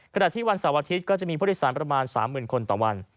ขณะที่วันเสาร์อาทิตย์ก็จะมีผู้โดยสารประมาณ๓๐๐๐คนต่อวัน